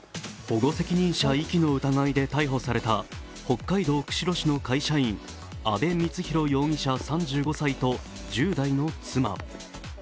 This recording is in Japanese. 保護責任者遺棄の疑いで逮捕された北海道釧路市の会社員・阿部光浩容疑者３５歳と１０代の妻。